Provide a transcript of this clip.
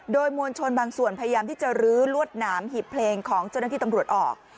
โดยมวลชนบางส่วนพยายามที่จะลื้อลวดหนามหีบเพลงของเจ้าหน้าที่ตำรวจออก